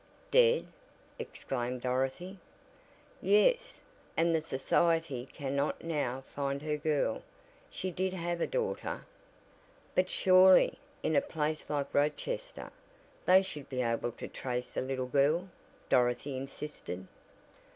"Dead!" exclaimed Dorothy. "Yes, and the society cannot now find her girl she did have a daughter." "But surely, in a place like Rochester, they should be able to trace a little girl," Dorothy insisted.